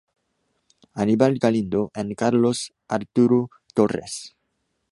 Anibal Galindo and Carlos Arturo Torres.